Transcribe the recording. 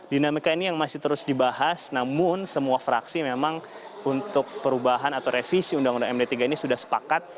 dinamika ini yang masih terus dibahas namun semua fraksi memang untuk perubahan atau revisi undang undang md tiga ini sudah sepakat